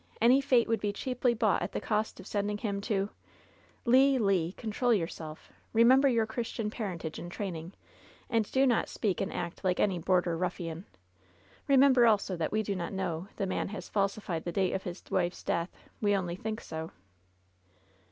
Any fate would be cheaply bought at the cost of sending him to ^^ "Le I Le ! control yourself 1 Remember your Chris tian parentage and training, and do not speak and act like any border ruflSan. Remember also that we do not know the man has falsified the date of his wife's death. We only think so."